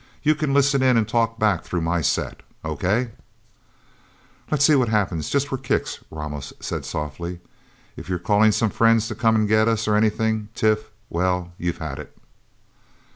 You can listen in, and talk back through my set. Okay?" "Let's see what happens just for kicks," Ramos said softly. "If you're calling some friends to come and get us, or anything, Tif well, you've had it!"